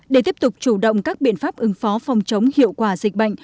để tiếp tục chủ động các biện pháp ứng phó phòng chống hiệu quả dịch bệnh